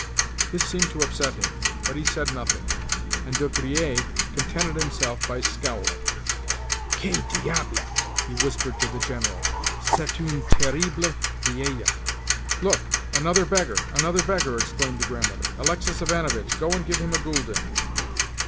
This seemed to upset him, but he said nothing, and De Griers contented himself by scowling. "Que diable!" he whispered to the General. "C'est une terrible vieille." "Look! Another beggar, another beggar!" exclaimed the grandmother. "Alexis Ivanovitch, go and give him a gülden."